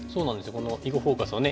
この「囲碁フォーカス」をね